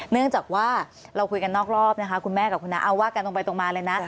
เนื่องจากว่าเราคุยกันนอกรอบนะคะคุณแม่กับคุณน้าเอาว่ากันตรงไปตรงมาเลยนะ